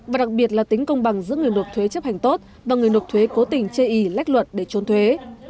và đặc biệt là tính công bằng giữa người nộp thuế chấp hành tốt và người nộp thuế cố tình chê ý lách luật để trốn thuế